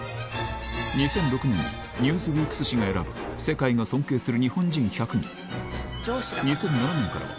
２００６年に『ニューズウィーク』誌が選ぶ「世界が尊敬する日本人１００人」